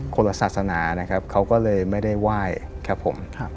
คนละศาสนานะครับเขาก็เลยไม่ได้ไหว้ครับผม